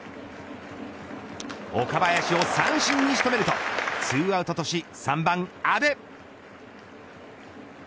岡林を三振に仕留めると２アウトとし３番、阿部。